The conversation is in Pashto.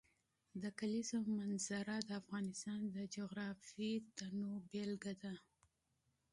د کلیزو منظره د افغانستان د جغرافیوي تنوع مثال دی.